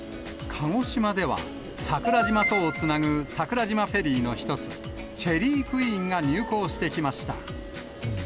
鹿児島では、桜島とをつなぐ桜島フェリーの一つ、チェリークイーンが入港してきました。